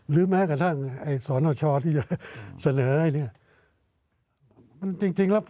หรือแม้กระทั่งไอ้สนชทอีกเยอะเสนอไอ้เนี่ยจริงจริงแล้ว